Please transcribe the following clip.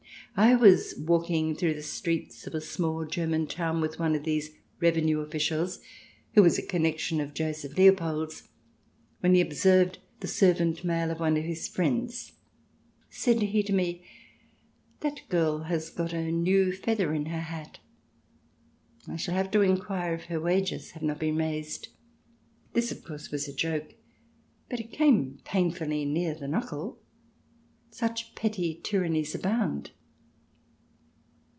I was walking through the streets of a small German town with one of these revenue officials who was a connection of Joseph Leopold's, when he observed the servant maid of one of his friends. Said he to me :" That girl has got a new feather in her hat, I shall have to inquire if her wages have not been raised." This, of course, was a joke, but it came painfully near the knuckle. Such petty tyrannies abound.